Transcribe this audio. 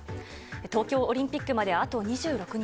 東京オリンピックまであと２６日。